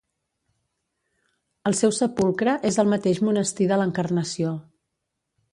El seu sepulcre és al mateix monestir de l'Encarnació.